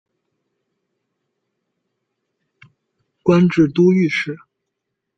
官至都御史。